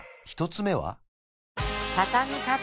１つ目は？